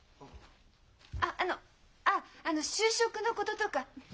あっあのあっあの就職のこととか。